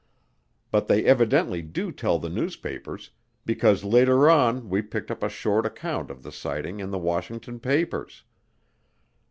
But they evidently do tell the newspapers because later on we picked up a short account of the sighting in the Washington papers.